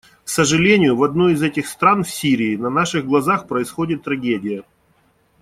К сожалению, в одной из этих стран — в Сирии — на наших глазах происходит трагедия.